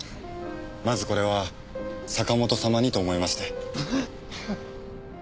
まずこれは坂本様にと思いまして。